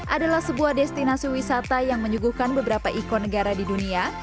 adalah sebuah destinasi wisata yang menyuguhkan beberapa ikon negara di dunia